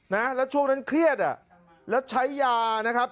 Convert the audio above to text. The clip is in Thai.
นะแล้วช่วงนั้นเครียดอ่ะแล้วใช้ยานะครับ